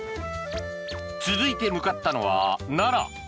続いて向かったのは奈良。